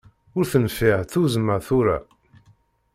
Ur tenfiɛ tuzzma, tura.